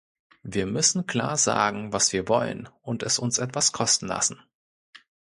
Wir müssen klar sagen, was wir wollen und es uns etwas kosten lassen.